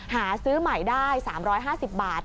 หาซื้อใหม่ได้๓๕๐บาท